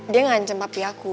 dia ngancem papi aku